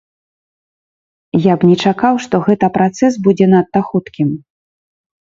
Я б не чакаў, што гэта працэс будзе надта хуткім.